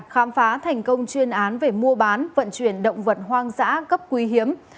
khám phá thành công chuyên án về mua bán vận chuyển động vật hoang dã cấp quý hiếm